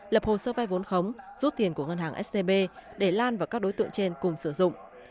lập hồ sơ vai vốn khống rút tiền của ngân hàng scb để lan và các đối tượng trên cùng sử dụng